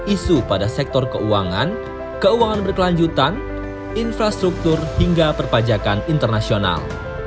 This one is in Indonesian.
isu pada sektor keuangan keuangan berkelanjutan infrastruktur hingga perpajakan internasional